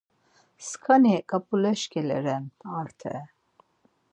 “Skani Ǩap̌ulaş ǩele ren Arte!”